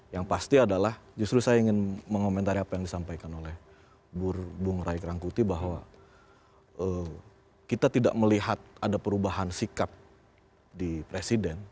yang pasti adalah justru saya ingin mengomentari apa yang disampaikan oleh bung ray rangkuti bahwa kita tidak melihat ada perubahan sikap di presiden